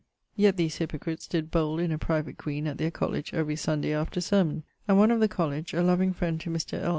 Yet these hypocrites did bowle in a private green at their colledge every Sunday after sermon; and one of the colledge (a loving friend to Mr. L.